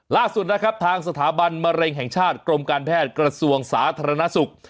ล่าสุดนะครับทางสถาบันมะเร็งแห่งชาติกรมการแพทย์กระทรวงสาธารณสุข